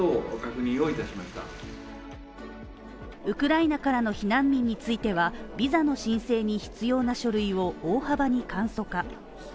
ウクライナからの避難民については、ビザの申請に必要な書類を大幅に簡素化。